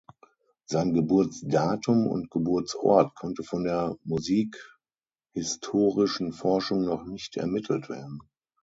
Sein Geburtsdatum und Geburtsort konnte von der musikhistorischen Forschung noch nicht ermittelt werden.